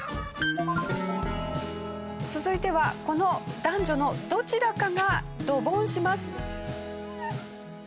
続いてはこの男女のどちらかがドボンします。